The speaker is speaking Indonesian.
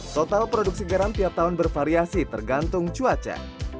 total produksi garam tiap tahun bervariasi tergantung cuaca